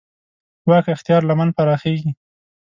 واک اختیار لمن پراخېږي.